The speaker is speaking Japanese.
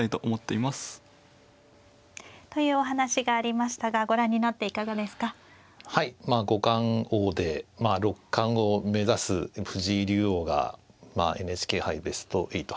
まあ五冠王で六冠を目指す藤井竜王がＮＨＫ杯ベスト８